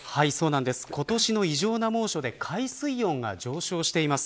今年の異常な猛暑で海水温が上昇しています。